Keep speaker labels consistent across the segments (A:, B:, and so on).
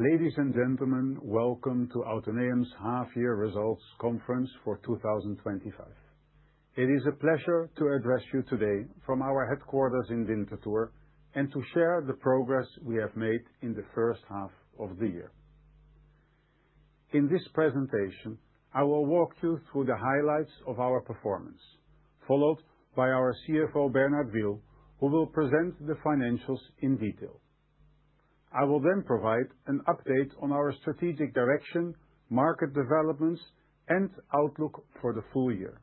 A: Ladies and gentlemen, welcome to Autoneum's half-year results conference for 2025. It is a pleasure to address you today from our headquarters in Winterthur and to share the progress we have made in the first half of the year. In this presentation, I will walk you through the highlights of our performance, followed by our CFO, Bernhard Wiehl, who will present the financials in detail. I will then provide an update on our strategic direction, market developments, and outlook for the full year.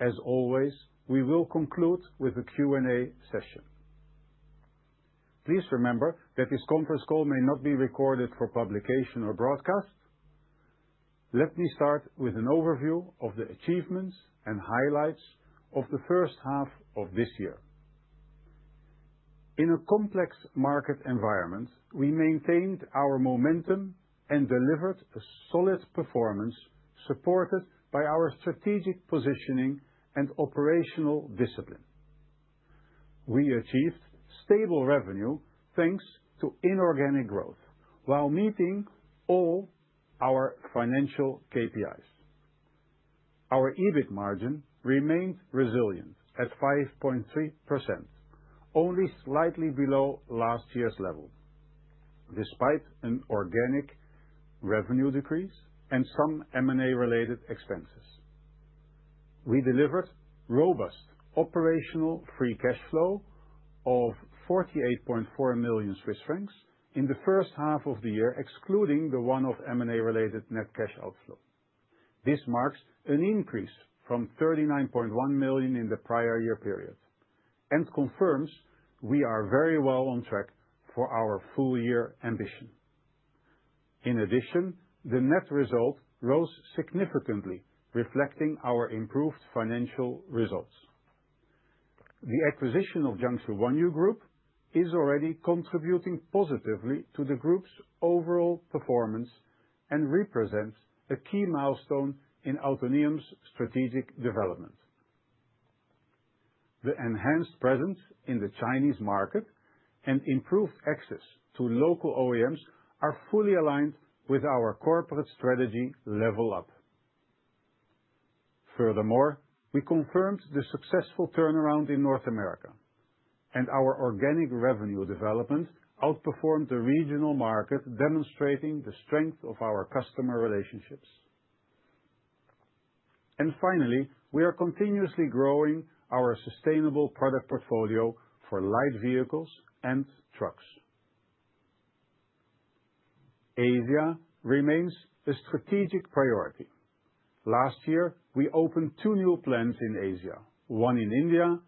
A: As always, we will conclude with a Q&A session. Please remember that this conference call may not be recorded for publication or broadcast. Let me start with an overview of the achievements and highlights of the first half of this year. In a complex market environment, we maintained our momentum and delivered a solid performance, supported by our strategic positioning and operational discipline. We achieved stable revenue thanks to inorganic growth, while meeting all our financial KPIs. Our EBIT margin remained resilient at 5.3%, only slightly below last year's level, despite an organic revenue decrease and some M&A-related expenses. We delivered robust operational free cash flow of 48.4 million Swiss francs in the first half of the year, excluding the one-off M&A-related net cash outflow. This marks an increase from 39.1 million in the prior year period and confirms we are very well on track for our full-year ambition. In addition, the net result rose significantly, reflecting our improved financial results. The acquisition of Jiangsu Huanyu Group is already contributing positively to the group's overall performance and represents a key milestone in Autoneum's strategic development. The enhanced presence in the Chinese market and improved access to local OEMs are fully aligned with our corporate strategy "Level Up". Furthermore, we confirmed the successful turnaround in North America, and our organic revenue development outperformed the regional market, demonstrating the strength of our customer relationships. We are continuously growing our sustainable product portfolio for light vehicles and trucks. Asia remains a strategic priority. Last year, we opened two new plants in Asia: one in India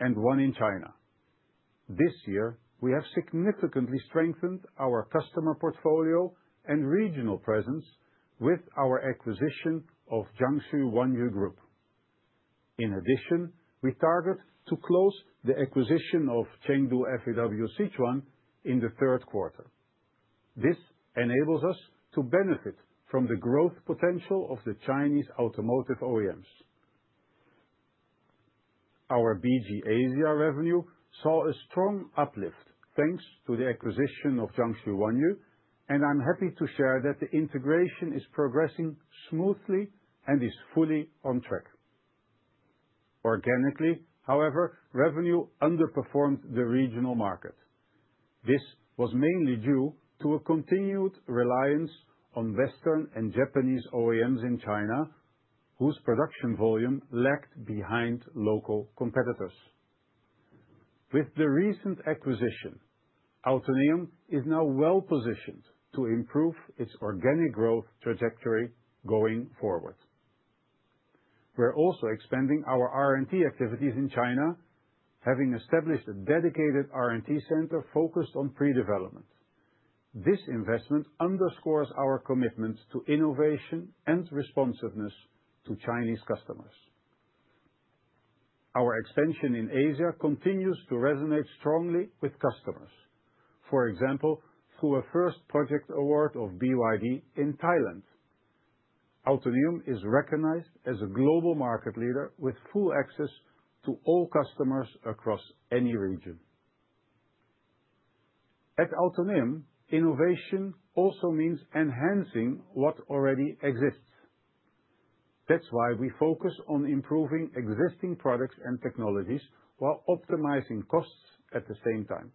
A: and one in China. This year, we have significantly strengthened our customer portfolio and regional presence with our acquisition of Jiangsu Huanyu Group. In addition, we target to close the acquisition of Chengdu FEW Sichuan in the third quarter. This enables us to benefit from the growth potential of the Chinese automotive OEMs. Our BG Asia revenue saw a strong uplift thanks to the acquisition of Jiangsu Huanyu, and I'm happy to share that the integration is progressing smoothly and is fully on track. Organically, however, revenue underperformed the regional market. This was mainly due to a continued reliance on Western and Japanese OEMs in China, whose production volume lagged behind local competitors. With the recent acquisition, Autoneum is now well-positioned to improve its organic growth trajectory going forward. We're also expanding our R&D activities in China, having established a dedicated R&D center focused on pre-development. This investment underscores our commitment to innovation and responsiveness to Chinese customers. Our extension in Asia continues to resonate strongly with customers, for example, through a first-project award of BYD in Thailand. Autoneum is recognized as a global market leader, with full access to all customers across any region. At Autoneum, innovation also means enhancing what already exists. That's why we focus on improving existing products and technologies while optimizing costs at the same time.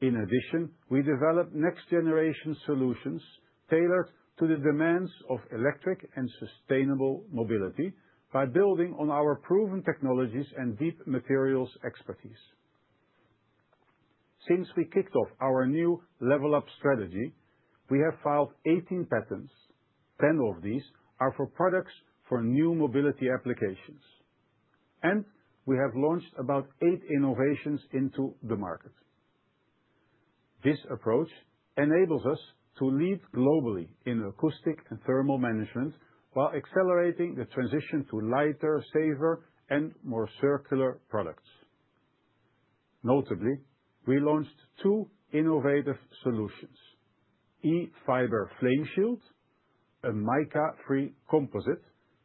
A: In addition, we develop next-generation solutions tailored to the demands of electric and sustainable mobility by building on our proven technologies and deep materials expertise. Since we kicked off our new "Level Up" strategy, we have filed 18 patents. Ten of these are for products for new mobility applications, and we have launched about eight innovations into the market. This approach enables us to lead globally in acoustic and thermal management while accelerating the transition to lighter, safer, and more circular products. Notably, we launched two innovative solutions: e-Fiber Flame Shield, a mica-free composite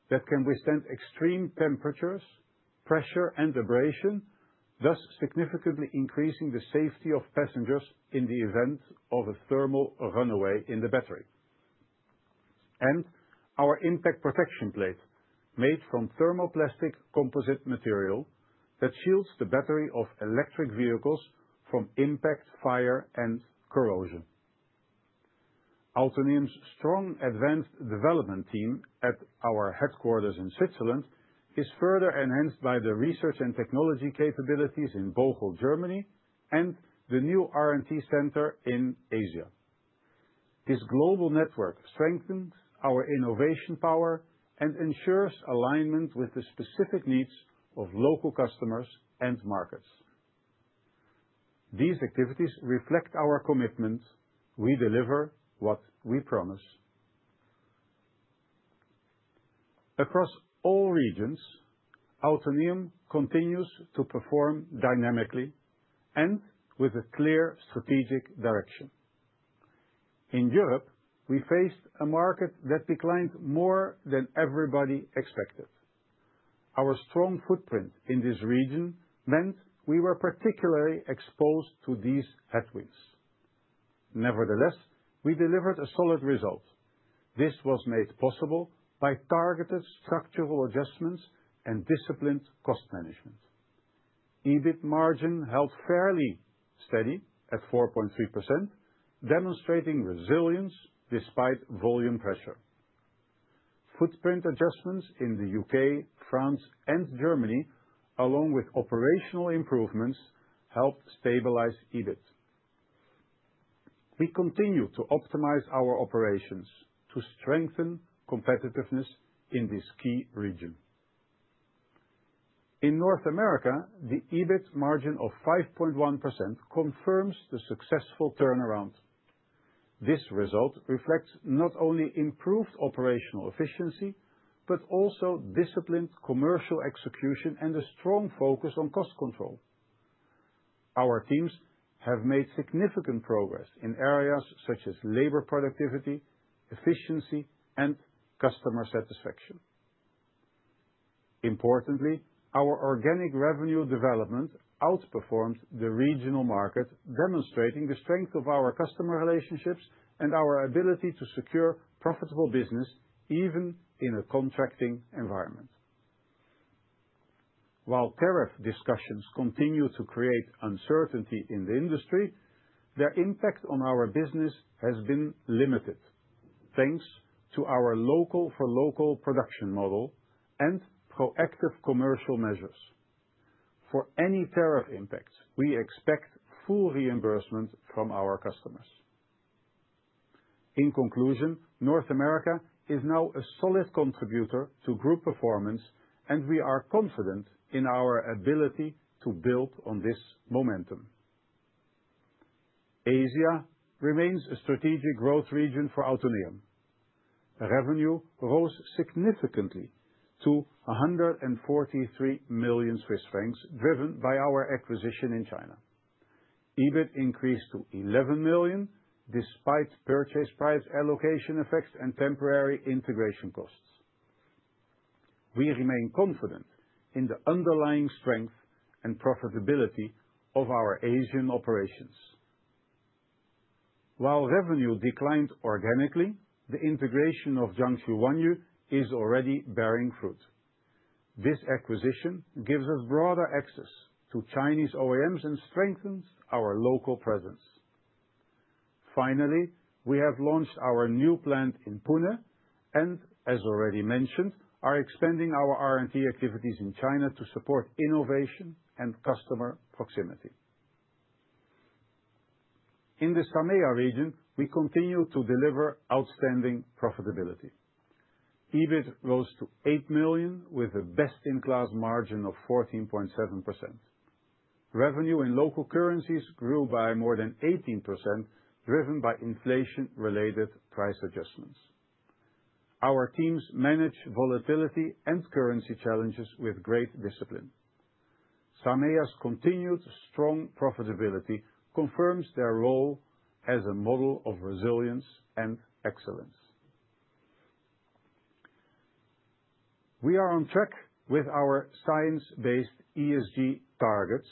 A: that can withstand extreme temperatures, pressure, and vibration, thus significantly increasing the safety of passengers in the event of a thermal runaway in the battery, and our Impact Protection Plate, made from thermoplastic composite material, that shields the battery of electric vehicles from impact, fire, and corrosion. Autoneum's strong advanced development team at our headquarters in Switzerland is further enhanced by the research and technology capabilities in Bocholt, Germany, and the new R&D center in Asia. This global network strengthens our innovation power and ensures alignment with the specific needs of local customers and markets. These activities reflect our commitment: we deliver what we promise. Across all regions, Autoneum continues to perform dynamically and with a clear strategic direction. In Europe, we faced a market that declined more than everybody expected. Our strong footprint in this region meant we were particularly exposed to these headwinds. Nevertheless, we delivered a solid result. This was made possible by targeted structural adjustments and disciplined cost management. EBIT margin held fairly steady at 4.3%, demonstrating resilience despite volume pressure. Footprint adjustments in the UK, France, and Germany, along with operational improvements, helped stabilize EBIT. We continue to optimize our operations to strengthen competitiveness in this key region. In North America, the EBIT margin of 5.1% confirms the successful turnaround. This result reflects not only improved operational efficiency but also disciplined commercial execution and a strong focus on cost control. Our teams have made significant progress in areas such as labor productivity, efficiency, and customer satisfaction. Importantly, our organic revenue development outperformed the regional market, demonstrating the strength of our customer relationships and our ability to secure profitable business, even in a contracting environment. While tariff discussions continue to create uncertainty in the industry, their impact on our business has been limited, thanks to our local-for-local production model and proactive commercial measures. For any tariff impact, we expect full reimbursement from our customers. In conclusion, North America is now a solid contributor to group performance, and we are confident in our ability to build on this momentum. Asia remains a strategic growth region for Autoneum. Revenue rose significantly to 143 million Swiss francs, driven by our acquisition in China. EBIT increased to 11 million, despite purchase price allocation effects and temporary integration costs. We remain confident in the underlying strength and profitability of our Asian operations. While revenue declined organically, the integration of Jiangsu Huanyu Group is already bearing fruit. This acquisition gives us broader access to Chinese OEMs and strengthens our local presence. Finally, we have launched our new plant in Pune, and as already mentioned, we are expanding our R&D activities in China to support innovation and customer proximity. In the Stanleya region, we continue to deliver outstanding profitability. EBIT rose to $8 million, with a best-in-class margin of 14.7%. Revenue in local currencies grew by more than 18%, driven by inflation-related price adjustments. Our teams manage volatility and currency challenges with great discipline. Stanleya's continued strong profitability confirms their role as a model of resilience and excellence. We are on track with our science-based ESG targets: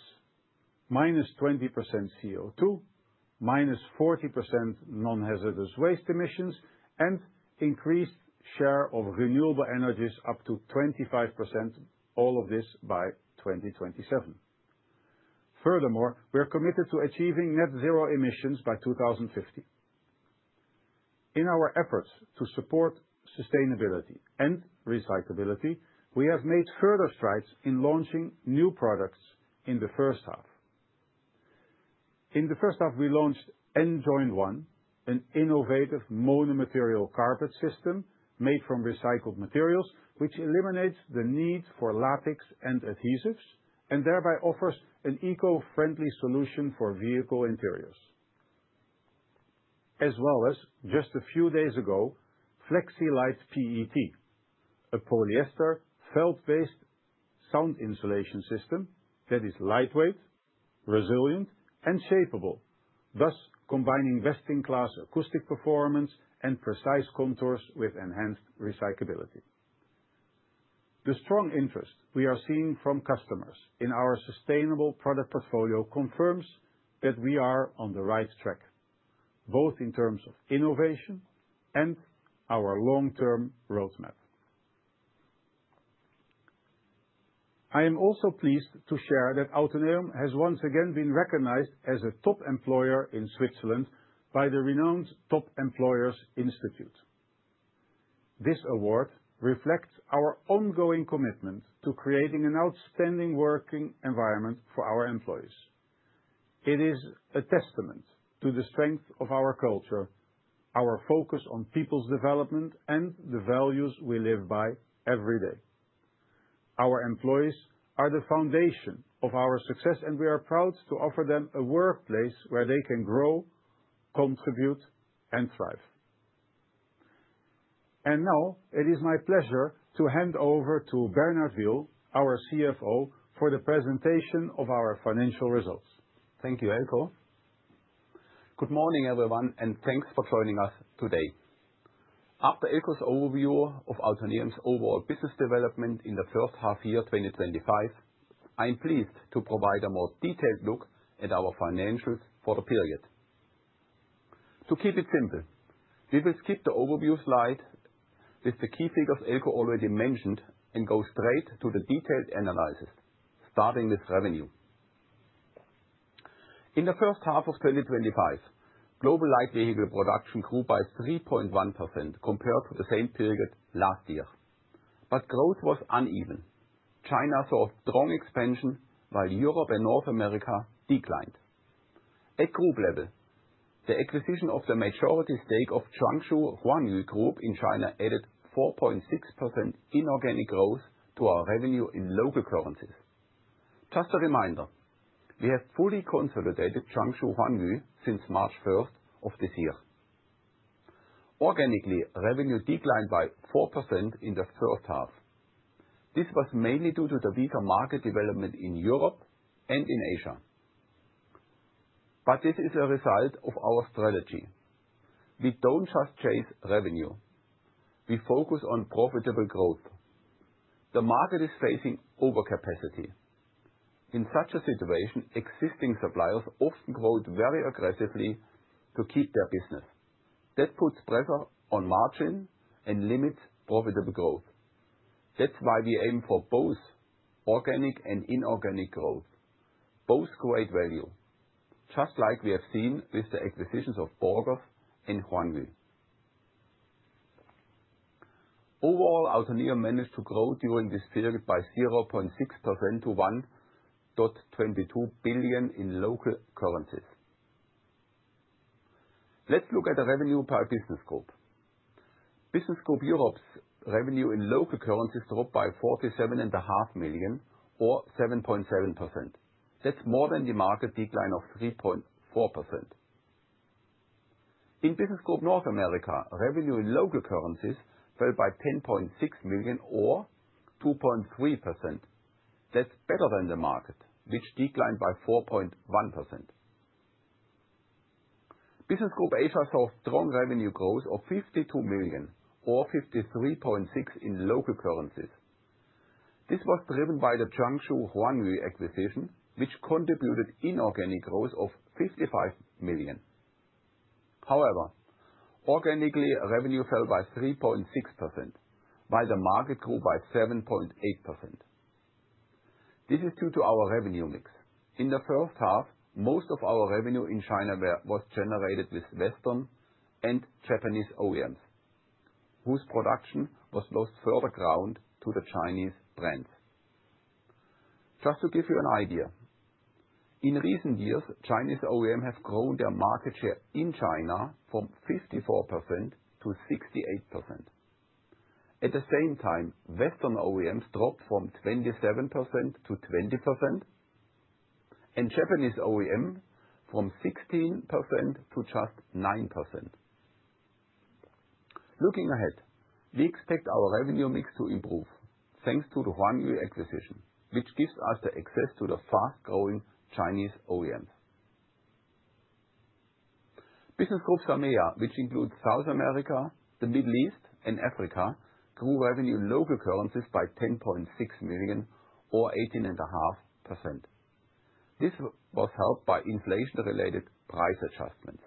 A: minus 20% CO2, minus 40% non-hazardous waste emissions, and increased share of renewable energies up to 25%, all of this by 2027. Furthermore, we are committed to achieving net zero emissions by 2050. In our efforts to support sustainability and recyclability, we have made further strides in launching new products in the first half. In the first half, we launched NJOINT1, an innovative monomaterial carpet system made from recycled materials, which eliminates the need for latex and adhesives, and thereby offers an eco-friendly solution for vehicle interiors. As well as, just a few days ago, FlexiLite PET, a polyester felt-based sound insulation system that is lightweight, resilient, and shapable, thus combining best-in-class acoustic performance and precise contours with enhanced recyclability. The strong interest we are seeing from customers in our sustainable product portfolio confirms that we are on the right track, both in terms of innovation and our long-term roadmap. I am also pleased to share that Autoneum has once again been recognized as a top employer in Switzerland by the renowned Top Employers Institute. This award reflects our ongoing commitment to creating an outstanding working environment for our employees. It is a testament to the strength of our culture, our focus on people's development, and the values we live by every day. Our employees are the foundation of our success, and we are proud to offer them a workplace where they can grow, contribute, and thrive. It is my pleasure to hand over to Bernhard Wiehl, our CFO, for the presentation of our financial results.
B: Thank you, Eelco. Good morning, everyone, and thanks for joining us today. After Eriko's overview of Autoneum's overall business development in the first half-year 2025, I am pleased to provide a more detailed look at our financials for the period. To keep it simple, we will skip the overview slide with the key figures Eriko already mentioned and go straight to the detailed analysis, starting with revenue. In the first half of 2025, global light vehicle production grew by 3.1% compared to the same period last year. Growth was uneven. China saw a strong expansion, while Europe and North America declined. At group level, the acquisition of the majority stake of Jiangsu Huanyu Group in China added 4.6% in organic growth to our revenue in local currencies. Just a reminder, we have fully consolidated Jiangsu Huanyu since March 1 of this year. Organically, revenue declined by 4% in the first half. This was mainly due to the weaker market development in Europe and in Asia. This is a result of our strategy. We don't just chase revenue; we focus on profitable growth. The market is facing overcapacity. In such a situation, existing suppliers often grow very aggressively to keep their business. That puts pressure on margin and limits profitable growth. That's why we aim for both organic and inorganic growth. Both create value, just like we have seen with the acquisitions of Forgas and Huanyu. Overall, Autoneum managed to grow during this period by 0.6% to 1.22 billion in local currencies. Let's look at the revenue by business group. Business Group Europe's revenue in local currencies dropped by 47.5 million, or 7.7%. That's more than the market decline of 3.4%. In Business Group North America, revenue in local currencies fell by 10.6 million, or 2.3%. That's better than the market, which declined by 4.1%. Business Group Asia saw strong revenue growth of 52 million, or 53.6% in local currencies. This was driven by the Jiangsu Huanyu acquisition, which contributed to inorganic growth of 55 million. However, organically, revenue fell by 3.6%, while the market grew by 7.8%. This is due to our revenue mix. In the first half, most of our revenue in China was generated with Western and Japanese OEMs, whose production lost further ground to the Chinese brands. Just to give you an idea, in recent years, Chinese OEMs have grown their market share in China from 54% to 68%. At the same time, Western OEMs dropped from 27%-20%, and Japanese OEMs from 16% to just 9%. Looking ahead, we expect our revenue mix to improve, thanks to the Huanyu acquisition, which gives us the access to the fast-growing Chinese OEMs. Business group Stanleya, which includes South America, the Middle East, and Africa, grew revenue in local currencies by $10.6 million, or 18.5%. This was helped by inflation-related price adjustments.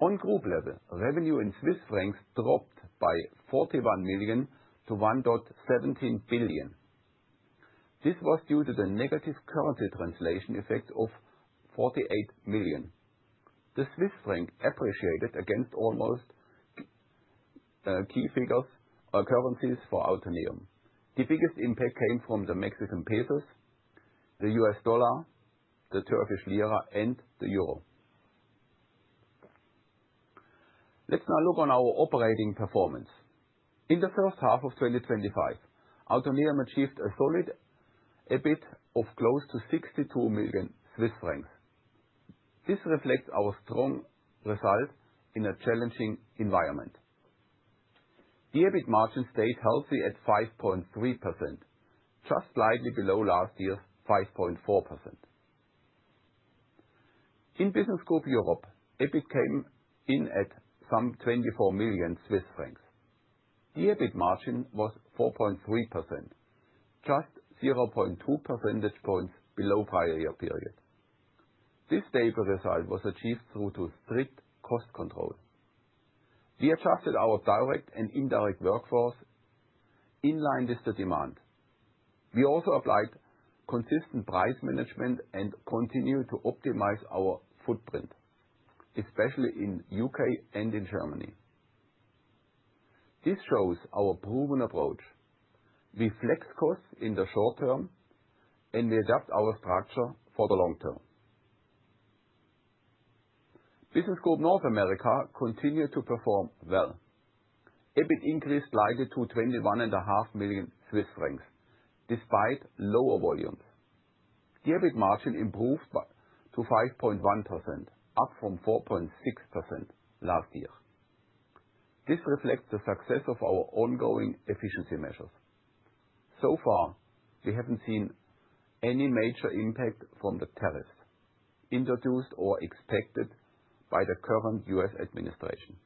B: On group level, revenue in Swiss francs dropped by $41 million-$1.17 billion. This was due to the negative currency translation effects of $48 million. The Swiss franc appreciated against almost key figures currencies for Autoneum. The biggest impact came from the Mexican peso, the U.S. dollar, the Turkish lira, and the euro. Let's now look at our operating performance. In the first half of 2025, Autoneum achieved a solid EBIT of close to $62 million Swiss francs. This reflects our strong results in a challenging environment. The EBIT margin stays healthy at 5.3%, just slightly below last year's 5.4%. In business group Europe, EBIT came in at some $24 million Swiss francs. The EBIT margin was 4.3%, just 0.2 percentage points below the prior year period. This stable result was achieved through strict cost control. We adjusted our direct and indirect workforce in line with the demand. We also applied consistent price management and continued to optimize our footprint, especially in the UK and in Germany. This shows our proven approach. We flex costs in the short term and adapt our structure for the long term. Business group North America continued to perform well. EBIT increased slightly to $21.5 million Swiss francs, despite lower volumes. The EBIT margin improved to 5.1%, up from 4.6% last year. This reflects the success of our ongoing efficiency measures. We haven't seen any major impact from the tariffs introduced or expected by the current U.S. administration.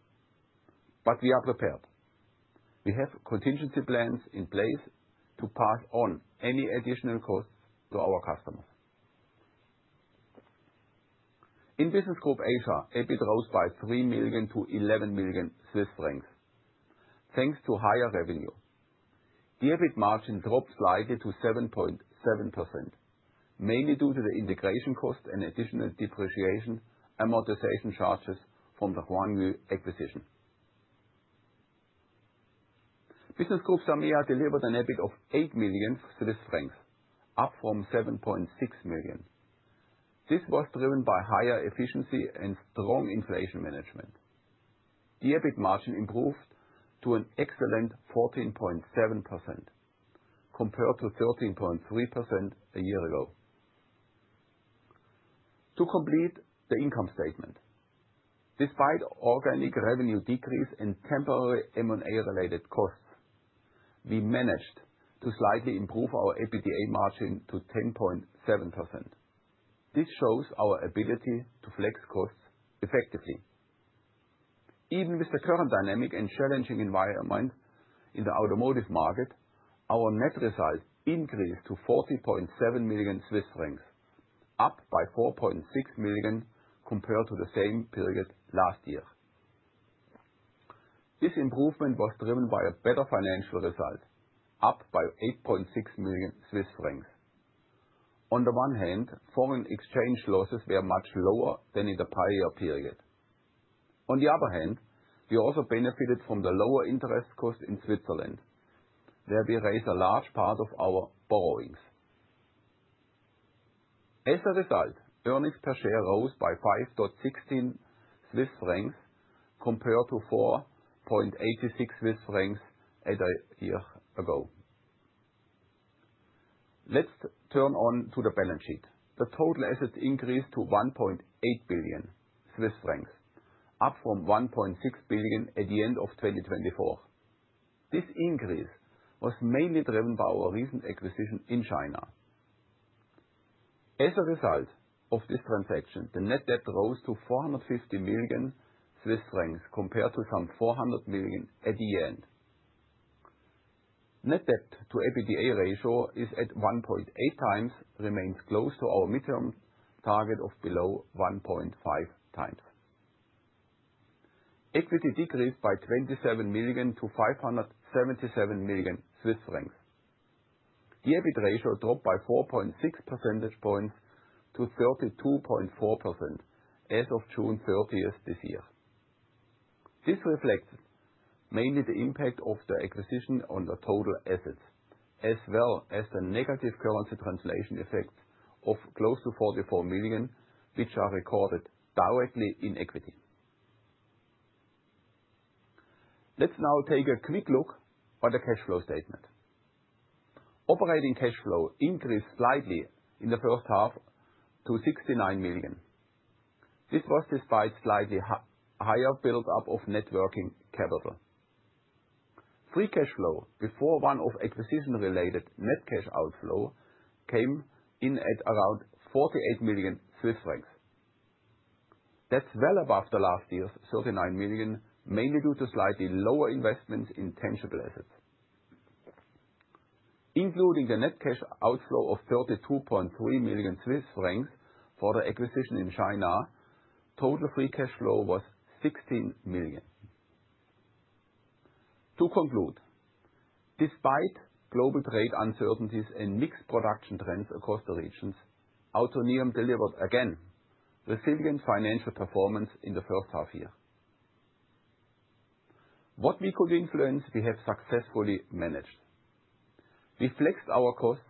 B: We are prepared. We have contingency plans in place to pass on any additional costs to our customers. In business group Asia, EBIT rose by $3 million-$11 million Swiss francs, thanks to higher revenue. The EBIT margin dropped slightly to 7.7%, mainly due to the integration costs and additional depreciation amortization charges from the Huanyu acquisition. Business group Stanleya delivered an EBIT of $8 million Swiss francs, up from $7.6 million. This was driven by higher efficiency and strong inflation management. The EBIT margin improved to an excellent 14.7%, compared to 13.3% a year ago. To complete the income statement, despite organic revenue decrease and temporary M&A-related costs, we managed to slightly improve our EBITDA margin to 10.7%. This shows our ability to flex costs effectively. Even with the current dynamic and challenging environment in the automotive market, our net result increased to 40.7 million Swiss francs, up by 4.6 million compared to the same period last year. This improvement was driven by a better financial result, up by 8.6 million Swiss francs. On the one hand, foreign exchange losses were much lower than in the prior year period. On the other hand, we also benefited from the lower interest costs in Switzerland, where we raised a large part of our borrowings. As a result, earnings per share rose by 5.16 Swiss francs, compared to 4.86 Swiss francs a year ago. Let's turn on to the balance sheet. The total assets increased to 1.8 billion Swiss francs, up from 1.6 billion at the end of 2024. This increase was mainly driven by our recent acquisition in China. As a result of this transaction, the net debt rose to 450 million Swiss francs, compared to some 400 million at the end. The net debt to EBITDA ratio is at 1.8 times, remains close to our midterm target of below 1.5 times. Equity decreased by 27 million to 577 million Swiss francs. The EBIT ratio dropped by 4.6 percentage points to 32.4% as of June 30th this year. This reflects mainly the impact of the acquisition on the total assets, as well as the negative currency translation effects of close to 44 million, which are recorded directly in equity. Let's now take a quick look at the cash flow statement. Operating cash flow increased slightly in the first half to 69 million. This was despite slightly higher build-up of net working capital. Free cash flow, before one-off acquisition-related net cash outflow, came in at around 48 million Swiss francs. That's well above last year's 39 million, mainly due to slightly lower investments in tangible assets. Including the net cash outflow of 32.3 million Swiss francs for the acquisition in China, total free cash flow was 16 million. To conclude, despite global trade uncertainties and mixed production trends across the regions, Autoneum delivered again resilient financial performance in the first half year. What we could influence, we have successfully managed. We flexed our costs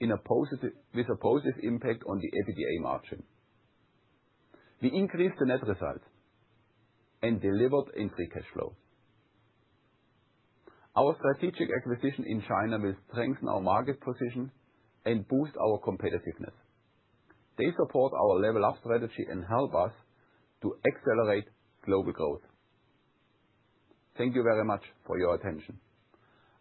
B: with a positive impact on the EBITDA margin. We increased the net result and delivered increased cash flows. Our strategic acquisition in China will strengthen our market position and boost our competitiveness. They support our "Level Up" strategy and help us to accelerate global growth. Thank you very much for your attention.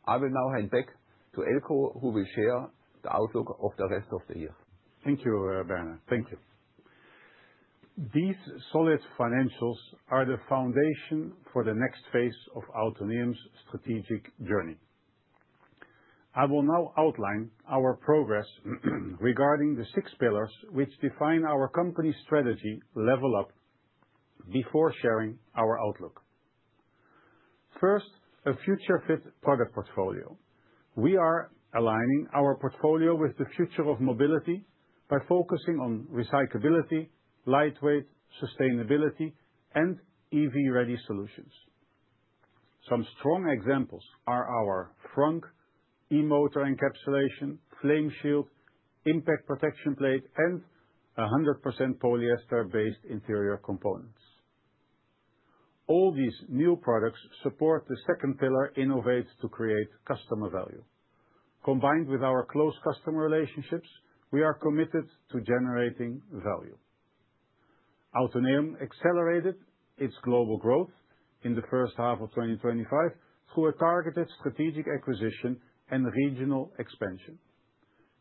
B: I will now hand back to Eelco, who will share the outlook of the rest of the year.
A: Thank you, Bernhard. Thank you. These solid financials are the foundation for the next phase of Autoneum's strategic journey. I will now outline our progress regarding the six pillars, which define our company's strategy "Level Up" before sharing our outlook. First, a future-fit product portfolio. We are aligning our portfolio with the future of mobility by focusing on recyclability, lightweight sustainability, and EV-ready solutions. Some strong examples are our frunk, e-motor encapsulation, e-Fiber Flame Shield, Impact Protection Plate, and 100% polyester-based interior components. All these new products support the second pillar "Innovate to Create Customer Value." Combined with our close customer relationships, we are committed to generating value. Autoneum accelerated its global growth in the first half of 2025 through a targeted strategic acquisition and regional expansion.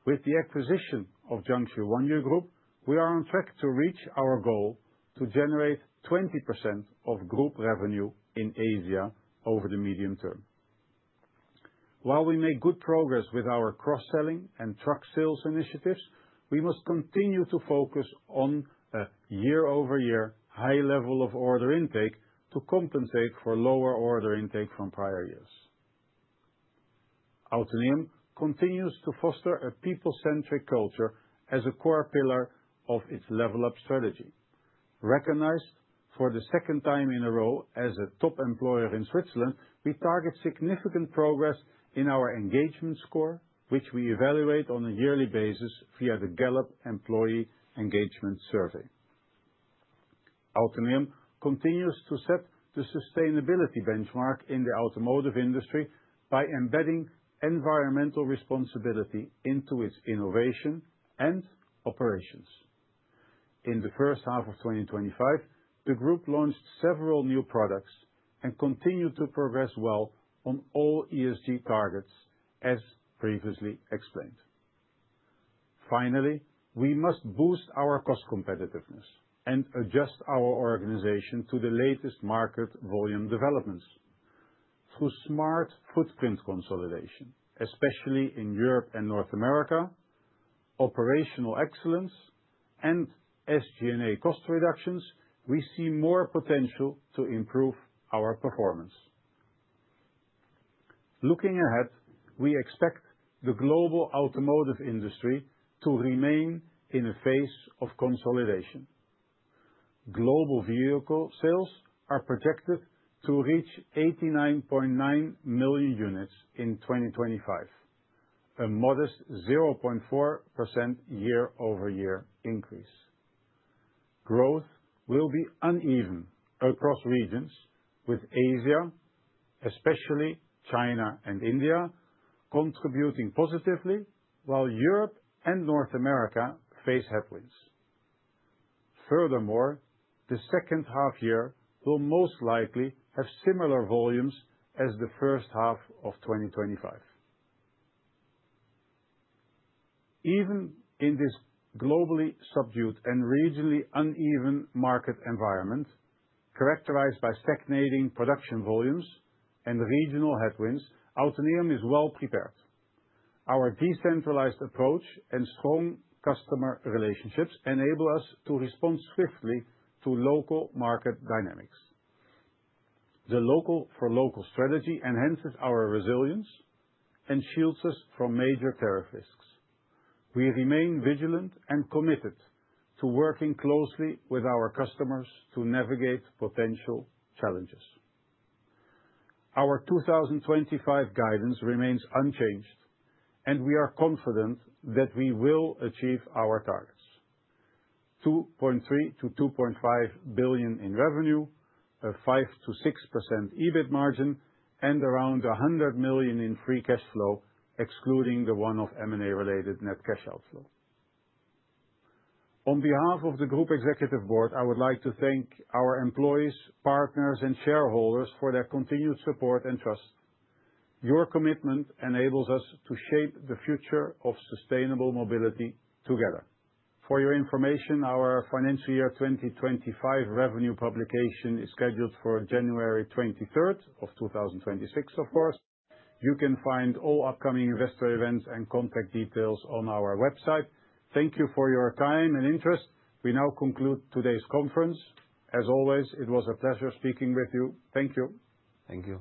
A: With the acquisition of Jiangsu Huanyu Group, we are on track to reach our goal to generate 20% of group revenue in Asia over the medium term. While we make good progress with our cross-selling and truck sales initiatives, we must continue to focus on a year-over-year high level of order intake to compensate for lower order intake from prior years. Autoneum continues to foster a people-centric culture as a core pillar of its "Level Up" strategy. Recognized for the second time in a row as a top employer in Switzerland, we target significant progress in our engagement score, which we evaluate on a yearly basis via the Gallup employee engagement survey. Autoneum continues to set the sustainability benchmark in the automotive industry by embedding environmental responsibility into its innovation and operations. In the first half of 2025, the group launched several new products and continued to progress well on all ESG targets, as previously explained. Finally, we must boost our cost competitiveness and adjust our organization to the latest market volume developments. Through smart footprint consolidation, especially in Europe and North America, operational excellence, and SG&A cost reductions, we see more potential to improve our performance. Looking ahead, we expect the global automotive industry to remain in a phase of consolidation. Global vehicle sales are projected to reach 89.9 million units in 2025, a modest 0.4% year-over-year increase. Growth will be uneven across regions, with Asia, especially China and India, contributing positively, while Europe and North America face headwinds. Furthermore, the second half year will most likely have similar volumes as the first half of 2025. Even in this globally subdued and regionally uneven market environment, characterized by stagnating production volumes and regional headwinds, Autoneum is well prepared. Our decentralized approach and strong customer relationships enable us to respond swiftly to local market dynamics. The local-for-local strategy enhances our resilience and shields us from major tariff risks. We remain vigilant and committed to working closely with our customers to navigate potential challenges. Our 2025 guidance remains unchanged, and we are confident that we will achieve our targets: 2.3 to 2.5 billion in revenue, a 5 to 6% EBIT margin, and around 100 million in free cash flow, excluding the one of M&A-related net cash outflow. On behalf of the Group Executive Board, I would like to thank our employees, partners, and shareholders for their continued support and trust. Your commitment enables us to shape the future of sustainable mobility together. For your information, our financial year 2025 revenue publication is scheduled for January 23, 2026, of course. You can find all upcoming investor events and contact details on our website. Thank you for your time and interest. We now conclude today's conference. As always, it was a pleasure speaking with you. Thank you.
B: Thank you.